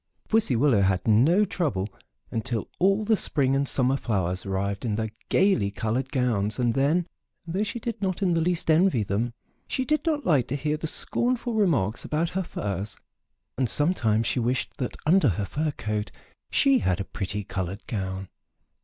Pussy Willow had no trouble until all the spring and summer flowers arrived in their gayly colored gowns and then, though she did not in the least envy them, she did not like to hear the scornful remarks about her furs, and sometimes she wished that under her fur coat she had a pretty colored gown.